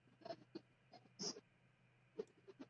It is also often referred to as the Paris Indoor event.